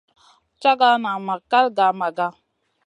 Caga nan ma kal gah Maga.